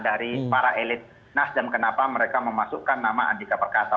dari para elit nasdem kenapa mereka memasukkan nama andika perkasa